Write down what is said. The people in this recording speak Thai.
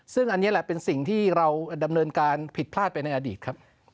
ซึ่งอันนี้แหละเป็นสิ่งที่เราดำเนินการผิดพลาดไปในอดีตครับ